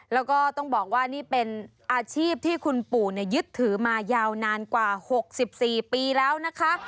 แล้วก็ต้องบอกว่านี่เป็นอาชีพที่คุณปู่ยึดถือมายาวนานกว่า๖๔ปีแล้วนะคะ